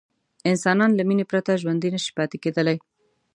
انسانان له مینې پرته ژوندي نه شي پاتې کېدلی.